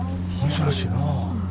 珍しいな。